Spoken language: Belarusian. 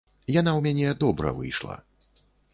Яна ў мяне добра выйшла.